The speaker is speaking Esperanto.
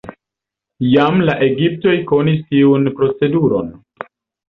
Jam la egiptoj konis tiun proceduron.